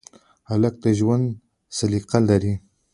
هلک د ژوند سلیقه لري.